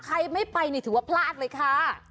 ใครไม่ไปนี่ถือว่าพลาดเลยค่ะ